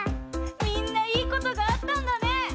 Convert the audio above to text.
みんないいことがあったんだね！